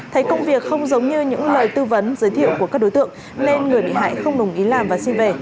thấy công việc không giống như những lời tư vấn giới thiệu của các đối tượng nên người bị hại không đồng ý làm và xin về